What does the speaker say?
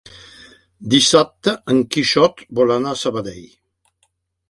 Dissabte en Quixot vol anar a Sabadell.